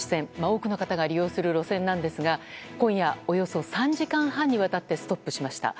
多くの方が利用する路線なんですが今夜およそ３時間半にわたってストップしました。